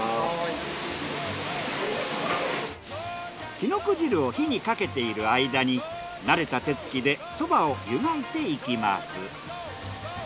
キノコ汁を火にかけている間に慣れた手つきでそばを湯がいていきます。